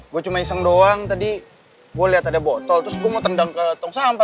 gue cuma iseng doang tadi gue lihat ada botol terus gue mau tendang ke tong sampah